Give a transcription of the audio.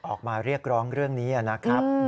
ออกมาเรียกร้องเรื่องนี้นะครับ